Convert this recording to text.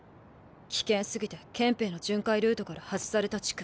危険すぎて憲兵の巡回ルートから外された地区。